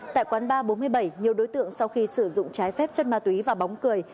tại quán ba bốn mươi bảy nhiều đối tượng sau khi sử dụng trái phép chất ma túy và bóng cười